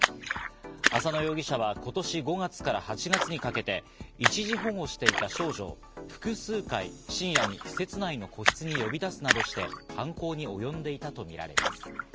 浅野容疑者は今年５月から８月にかけて一時保護していた少女を複数回、深夜に施設内の個室に呼び出すなどして犯行におよんでいたとみられます。